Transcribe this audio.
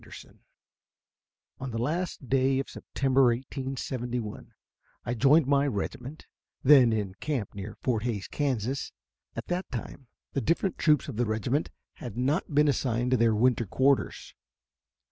] A Buffalo Story On the last day of September, 1871, I joined my regiment, then in camp near Fort Hays, Kansas. At that time the different troops of the regiment had not been assigned to their winter quarters.